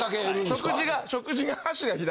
食事が。